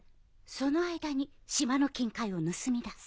その間に島の金塊を盗み出す。